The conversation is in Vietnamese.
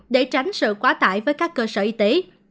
để tránh sự quá tải với các cơ sở y tế